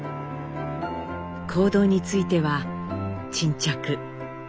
行動については「沈着」「勤勉」。